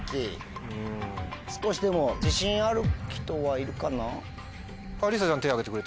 少しでも自信ある人はいるかな？